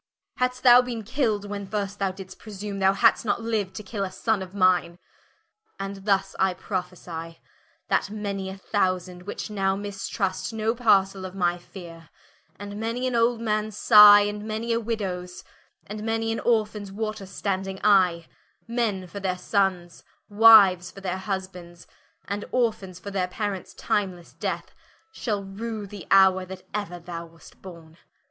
Hadst thou bin kill'd, when first y didst presume, Thou had'st not liu'd to kill a Sonne of mine: And thus I prophesie, that many a thousand, Which now mistrust no parcell of my feare, And many an old mans sighe, and many a Widdowes, And many an Orphans water standing eye, Men for their Sonnes, Wiues for their Husbands, Orphans, for their Parents timeles death, Shall rue the houre that euer thou was't borne.